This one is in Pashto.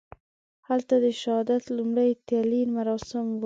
هلته د شهادت لومړي تلین مراسم وو.